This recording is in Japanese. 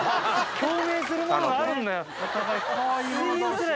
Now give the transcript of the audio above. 共鳴するものがあるんだよ、お互い。